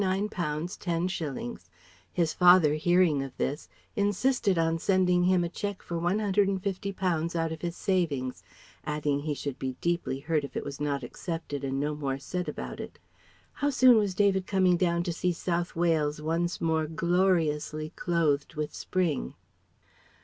10_s._ His father hearing of this, insisted on sending him a cheque for £150 out of his savings, adding he should be deeply hurt if it was not accepted and no more said about it. How soon was David coming down to see South Wales once more gloriously clothed with spring?